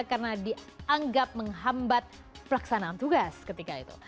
karena dianggap menghambat pelaksanaan tugas ketika itu